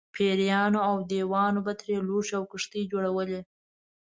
پېریانو او دیوانو به ترې لوښي او کښتۍ جوړولې.